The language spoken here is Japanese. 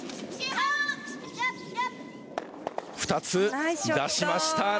２つ出しました。